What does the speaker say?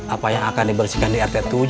apa yang akan dibersihkan di rt tujuh pak rw ustadz